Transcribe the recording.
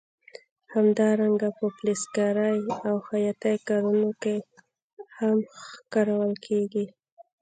همدارنګه په فلزکارۍ او خیاطۍ کارونو کې هم کارول کېږي.